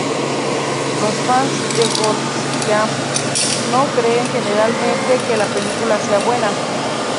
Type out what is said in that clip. Los fans de Godzilla no creen generalmente que la película sea buena.